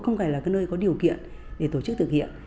không phải là nơi có điều kiện để tổ chức thực hiện